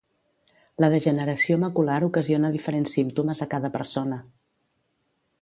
La degeneració macular ocasiona diferents símptomes a cada persona.